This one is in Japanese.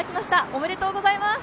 おめでとうございます。